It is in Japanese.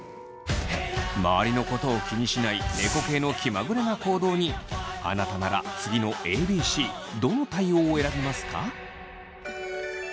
周りのことを気にしない猫系の気まぐれな行動にあなたなら次のＡＢＣどの対応を選びますか？